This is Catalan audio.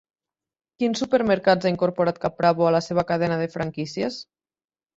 Quins supermercats ha incorporat Caprabo a la seva cadena de franquícies?